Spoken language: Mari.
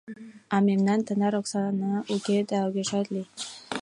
А мемнан тынар оксана уке да огешат лий.